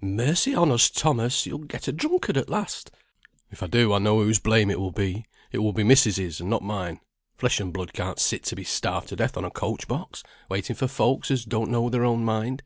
"Mercy on us, Thomas; you'll get a drunkard at last!" "If I do, I know whose blame it will be. It will be missis's, and not mine. Flesh and blood can't sit to be starved to death on a coach box, waiting for folks as don't know their own mind."